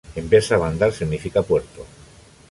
En persa, "bandar" significa ‘puerto’.